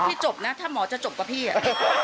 จบนะถ้าหมอจะจบกับพี่อ่ะ